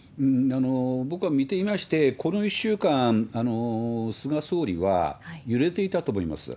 僕は見ていまして、この１週間、菅総理は揺れていたと思います。